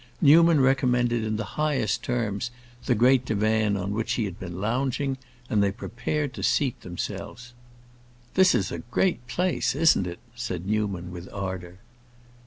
Newman recommended in the highest terms the great divan on which he had been lounging, and they prepared to seat themselves. "This is a great place; isn't it?" said Newman, with ardor.